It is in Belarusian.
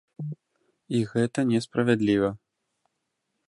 І гэта не справядліва.